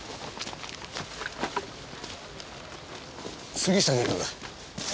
杉下警部。